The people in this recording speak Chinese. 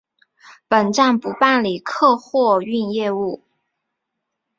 本站不办理客货运业务。